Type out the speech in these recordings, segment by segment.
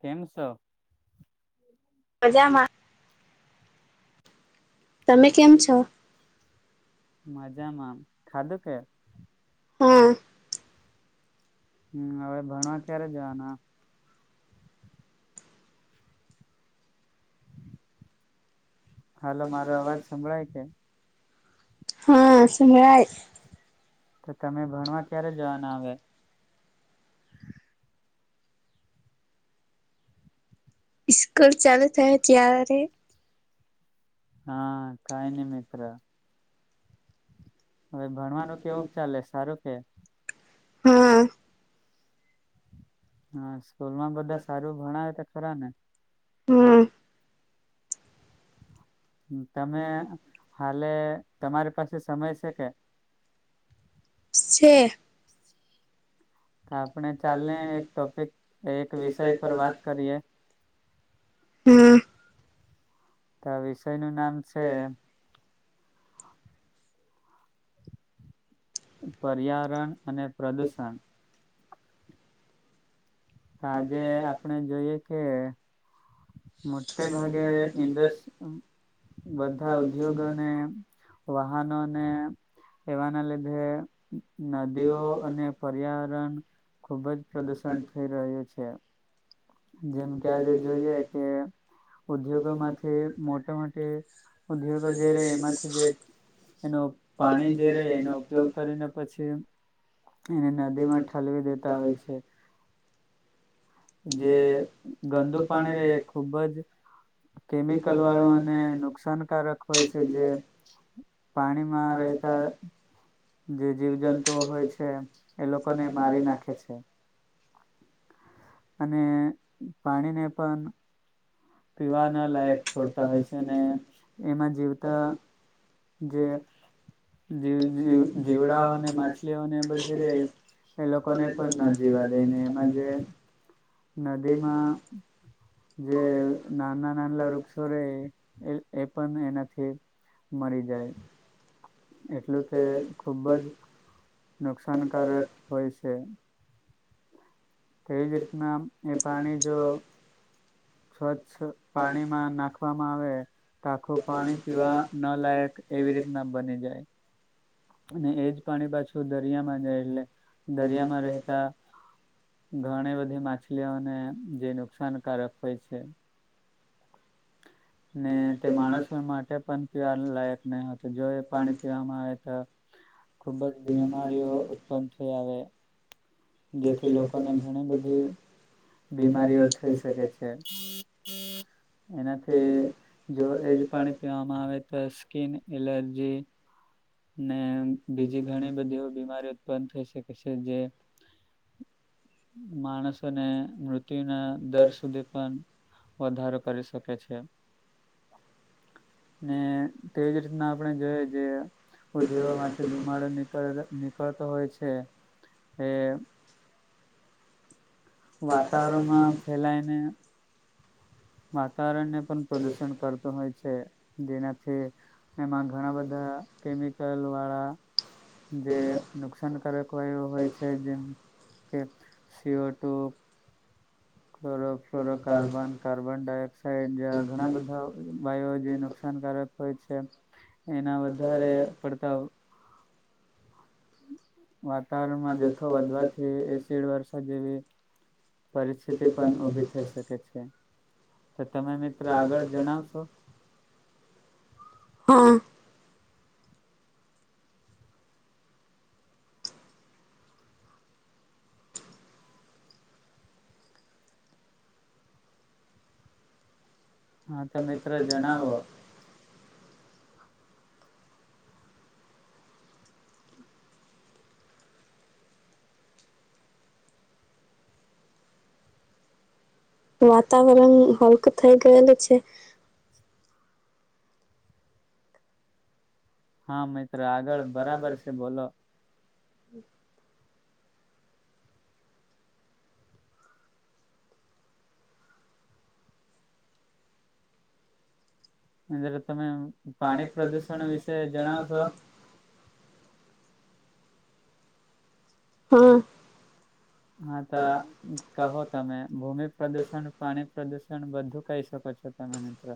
કેમ છો. મજામાં. તમે કેમ છો. મજામાં ખાધુ છે હા. હવે ભણવા ક્યારે જવાના. હાલો મારો અવાજ સંભળાય કે. હા સમભળાય. તો તમે ભણવા ક્યારે જવાના હવે. ઈસ્કૂલ ચાલુ થાય ત્યારે. હા કાઈ નહી મિત્ર. હવે ભણવાનું કેવું ચાલે સારું કે. હા. હા સ્કૂલમાં બધા સારું ભણાવ તો ખરા ને. હમ્મ. તમે હાલે તમારી પાસે સમય છે કે. છે. ચાલની એક ટોપિક એક વિષય પર વાત કરીએ. હમ્મ. તો આ વિષય નું નામ છે. પર્યાવરણ અને પ્રદુષણ. તો આજે આપણે જોઈએ કે મોટે ભાગે ઇન્ડસ બધા ઉદ્યોગોને વાહનોને. એવાના લીધે નદીઓ અને પર્યાવરણ ખુબ જ પ્રદુષણ થઈ રહ્યું છે જેમ કે આજે જોઈએ કે ઉદ્યોગો માંથી મોટા મોટી ઉદ્યોગો જે ર એમાંથી જે એનું પાણી જે રેય એનો ઉપયોગ કરીને પછી એને નદીમાં ઠાલવી દેતા હોય છે. જે ગંદુ પાણી રેય એક ખુબ જ કેમિકલવાળો અને નુકસાનકારક હોય છે જે પાણીમાં રહેતા. જે જીવજંતુઓ હોય છે એ લોકોને મારી નાખે છે. અને પાણીને પણ પીવા ના લાયક છોડતા હોય છે ને એમાં જીવતા જે જીવ જીવડાઓને માછલીઓને એ બધી રેય. એ લોકોને પણ ન જીવા દેને એમાં જે નદીમાં. જે નાના નાનલા વૃક્ષો રે એ પણ એનાથી મરી જાય. એટલું તે ખુબ જ નુકસાનકારક હોય છે તેવીજ રીતના એ પાણી જો સ્વચ્છ પાણીમાં નાખવામાં આવે તો આખું પાણી પીવા ન લાયક એવી રીતના બની જાય. અને એજ પાણી પાછું દરિયામાં જાય એટલે દરિયામાં રહેતા. ઘણી બધી માછલીઓને જે નુકસાનકારક હોય છે. ને તે માણસ માટે પણ પીવાલાયક નહી હોતું જો એ પાણી પીવામાં આવે તો ખુબ જ બીમારીઓ ઉત્પન્ન થઈ આવે. જેથી લોકોને ઘણી બધી બીમારીઓ થઈ શકે છે. [inaudible] એનાથી જો એજ પાણી પીવામાં આવે તો સ્કીિન એલર્જી. ને બીજી ઘણી બધી એ બીમારી ઉત્પન્ન થઈ શકે છે જે માણસોને મૃત્યુના દર સુધી પણ વધારો કરી શકે છે. ને તેજ રીતના આપણે જોઈએ જે ઉધ્યવમાંથી ધુમાડ નનીળ નનીકળતો હોય છે, એ વાતાવરણમાં ફેલાયને વાતાવરણને પણ પ્રદુષણ કરતું હોય છે, જેનાથી એમાં ઘણા બધા કેમિકલ વાળા, જે નુકસાનકારકય હોય છે જેમ કે C O two, chlorofluorocarbon carbon dioxide ઘણા બધા વાયુ જે નુકસાનકારક હોય છે. એના વધારે પડતા વાતાવરણમાં જથ્થો વધવાથી એસિડ વર્ષા જેવી પરિસ્થિતિ પણ ઉભી થઈ શકે છે. તો તમે મિત્રો આગળ જણાવશો? હા. હા તો મિત્રો જણાવો. વાતાવરણ હલકું થઈ ગયેલું છે. હા મિત્ર આગળ બરાબર છે બોલો. અંદર તમે પાણી પ્રદુષણ વિશે જણાવશો? હા. હા તો કોહો. તમે ભૂમિ પ્રદુષણ પાણી પ્રદુષણ બધું કહી શકો છો તમે મિત્રો.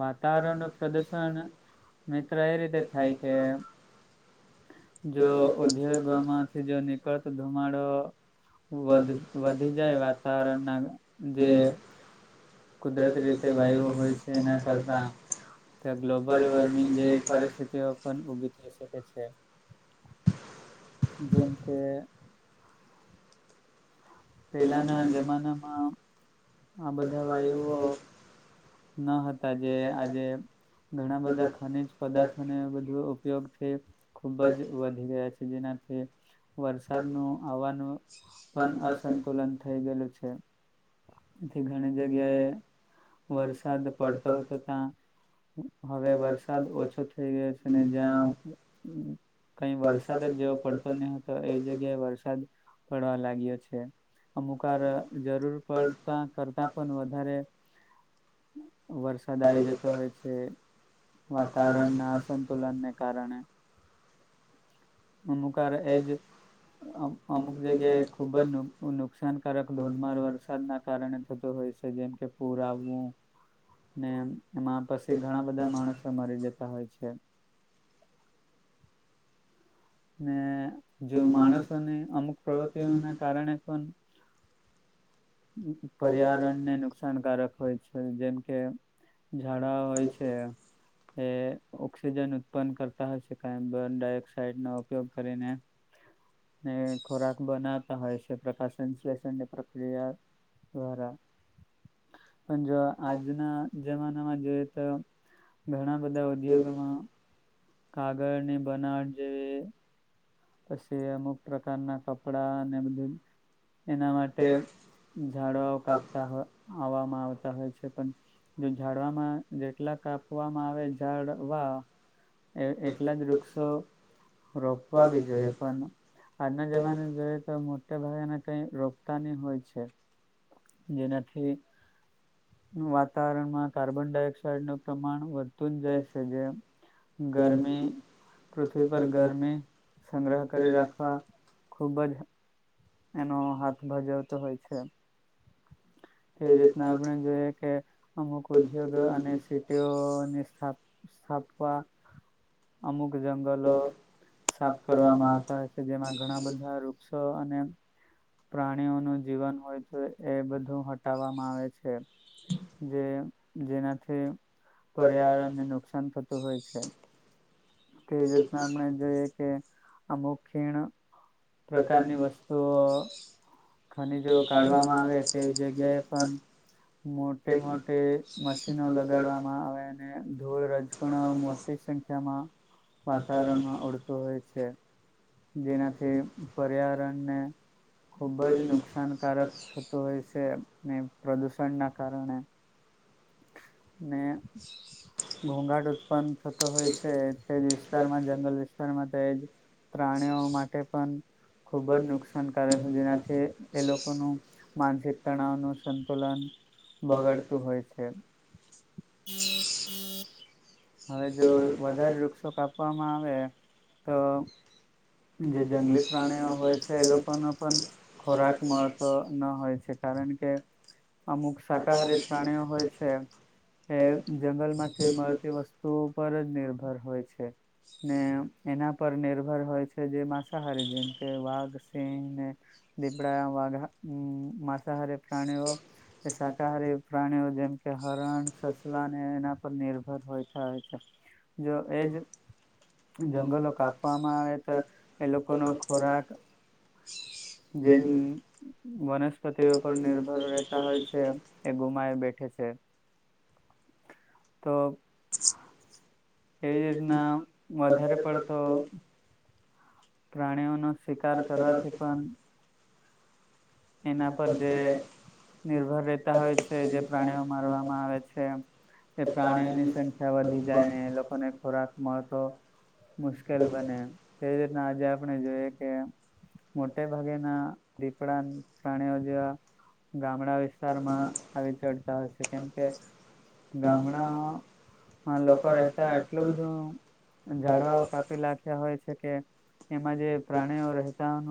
વાતાવરણ ન પ્રદુષણ મિત્ર એ રીતે થાય કે. જો ઉદ્યોગોમાંથી જો નીકળતો ધુમાડો વધ વધી જાય વાતાવરણના જે કુદરતી રીતે વાયુઓ હોય છે. તેના કરતા ગ્લોબલ વોર્મિંગ જે પરિસ્થિતિઓ થઈ શકે છે, જેમ કે પેલાના જમાના આ બધા વાયુઓ ન હતા જે આજે ઘણા બધા ખનીજ પદાર્થોને બધુ ઉપયોગથી ખુબ જ વધી ગયા છે, જેનાથી વરસાદનું આવવાનું પણ અસંતુલન થઈ ગયેલું છે. થી ઘણી જગ્યાએ વરસાદ પડતો હતો ત્યાં હવે વરસાદ ઓછો થઇ ગયો છે ને જ્યાં કઈ વરસાદ જ જેવો પડતો ન હતો એ જગ્યાએ વરસાદ પડવા લાગે અમુક જરૂર પડતા કરતા પણ વધારે વધારે, વરસાદ આવી જતો હોય છે. વાતાવરણના અસંતુલનને કારણે. અમુકાર એજ અમુક જગ્યાએ ખુબ જ નુકસાનકારક ધોધમાર વરસાદના કારણે થતો હોય છે જેમકે પુર આવવું. ને એમાં પછી ઘણા બધા માણસો મરી જતા હોય છે. ને જો માણસોને અમુક પ્રવૃતિઓ ના કારણે પણ પર્યાવરણ ને નુકસાનકારક હોય છે જેમ કે ઝાડા હોય છે. એ ઓક્સિજન ઉત્પન્ન કરતા હયશેન ડાયોક્સાાઈડ ન ઉપયોગ કરીને. ને ખોરાક બનાવતા હોય છે પ્રકાશનશ્લેષણની પ્રક્રિયા બરા પણ જો આજના જમાનામાં જોઈએ તો ઘણા બધા ઉદ્યોગમાં [unintelligible] પછી અમુક પ્રકારના કપડા અને બધું એના માટે ઝાડવાઓ કાપતા હો આવવામાં આવતા હોય છે પણ, જો ઝાડવામાં જેટલા કાપવામાં આવે ઝાડવા. એ એટલા જ વૃક્ષો, રોપવા બી જોઈએ પણ આજના જમાના જોઈએ તો મોટા ભાગાને કઈ રોપતા નહી હોય છે. જે [unintelligible] વાતાવરણમાં કાર્બન ડાયોક્સાાઈડ નું પ્રમાણ વધતું જ જાય છે, જે ગરમી, પૃથ્વી પર ગરમી સંગ્રહ કરી રાખવા, ખુબ જ એનો હાથ ભજવતો હોય છે. તેવી રીતના આપણે જોઈએ કે અમુક ઉદ્યોગ અને સીટીઓની સ્થપ સ્થાપવા, અમુક જંગલો સાફ કરવામાં આવતા હોય છે જેમાં ઘણા બધા વૃક્ષો અને પ્રાણીઓનું જીવન હોય તો એ બધું હટાવવામાં આવે છે, જે જેનાથી, પર્યાવરણને નુકસાન થતું હોય છે. તેવી જ રીતના આપણે જોઈએ કે, અમુક ખીણ પ્રકારની વસ્તુ તો [unintelligible] ખનીજો કાઢવામાં આવે તેવી જગ્યાએ પણ મોટે મોટે મશીનો લગાડવામાં આવે અને ધૂળ રજકણ મોટી સંખ્યામાં વાતાવરણમાં ઓડતું હોય છે, જેનાથી પર્યાવરણને ખુબ જ નુકસાનકારક થતું હોય છે ને પ્રદુષણ ના કારણે. ને ઘોંઘાટ ઉત્પન્ન થતો હોય છે તેજ વિસ્તારમાં જંગલ વિસ્તારમાં તેજ પ્રાણીઓ માટે પણ ખુબ જ નુકસાનકારક જેનાથી એ લોકોનું માનસિક તણાવ ન સંતુલન બગાડતો હોય છે. હવે જો વધારે વૃક્ષો કાપવામાં આવે તો જે જંગલી પ્રાણીઓ હોય છે, એ લોકોનો પણ ખોરાક મળતો ન હોય છે કારણ કે અમુક શાકાહારી પ્રાણીઓ હોય છે, એ જંગલ માંથી મળતી વસ્તુ પર જ નિર્ભર હોય છે. ને એના પર નિર્ભર હોય છે જે માંસાહારી જેમ કે વાઘ સિંહને, દીપડા વાઘ માંસાહારે પ્રાણીઓ, એ શાકાહારી પ્રાણીઓ જેમ કે હરણ સસલાને એના ઉપર નિર્ભર હોય થ હો છે. જો એજ જંગલો કાપવામાં આવે તો, એ લોકોનો ખોરાક જે વનસ્પતિ પરર નિર્ભર રહેતા હોય છે એ ગુમાય બેઠે છે. છે. તો એવી રીતના વધારે પડતો પ્રાણીઓ નો શિકાર કરવાથી પણ એના પર જે નિર્ભર રહેતા હોય છે જે પ્રાણીઓ મારવામાં આવે છે. એ પ્રાણીઓની સંખ્યા વધી જાય ને એ લોકોને ખોરાક મળતો મુશ્કેલ બને, એ રીતના આજે આપણે જોઈએ કે મોટેા ભાગે ના દીપડા પ્રાણીઓ જેવા, ગામડા વિસ્તારમાં આવી ચડતા હોય છે કેમકે ગામડામાં લોકો રહેતા એટલું બધુ જાડવા કાપી લખ્યા હોય છે કે, એમાં જે પ્રાણીઓ રહેતા ન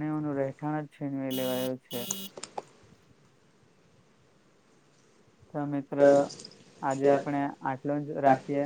નું રહેઠાણ જ છેન એ લેવાયું છે. તો મિત્રો, આજે આપણે આટલું જ રાખીએ.